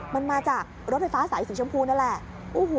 มันมาจากรถไฟฟ้าสายสีชมพูนั่นแหละ